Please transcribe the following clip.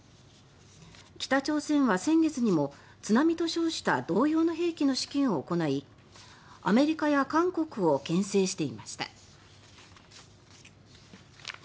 北朝鮮は先月にも「津波」と称した同様の兵器の試験を行い、アメリカや韓国をけん制していました。